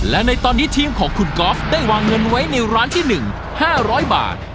และในตอนนี้ทีมของคุณกรอฟได้วางเงินไว้ในร้านที่หนึ่งห้าร้อยบาท